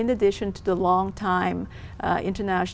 đã di chuyển đến chủ tịch trung tâm